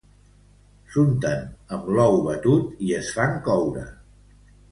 S'unten amb l'ou batut i es fan coure